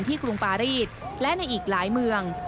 กรุงปารีสและในอีกหลายเมือง